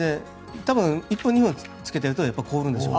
多分、１分２分つけていると凍るんでしょうね。